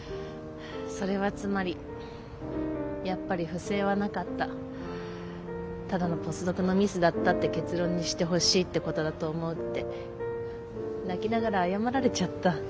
それはつまりやっぱり不正はなかったただのポスドクのミスだったって結論にしてほしいってことだと思うって泣きながら謝られちゃった。